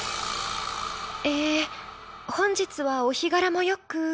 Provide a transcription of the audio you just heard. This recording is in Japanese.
「えー本日はお日柄もよくー」。